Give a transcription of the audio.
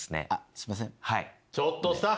すいません。